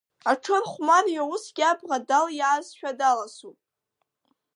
Аҽырхәмарҩы усгьы абӷа далиаазшәа даласоуп.